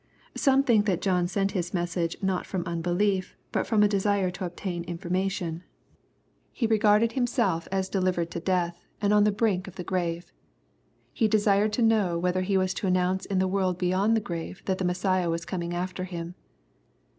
Some think that John sent his message not from unbelief, but ftom a desire to obtain information. He regarded himself aa LUKE, CHAP. VII. Ifl9 deKvered to death, and on the brink of tiie grave. He desired to know whether he was to announce in the world beyond the grave that tlie Messiah was coming after him.